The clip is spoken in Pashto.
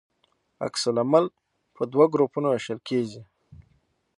عکس العمل په دوه ګروپونو ویشل کیږي.